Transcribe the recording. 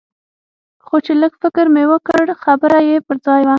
خو چې لږ فکر مې وکړ خبره يې پر ځاى وه.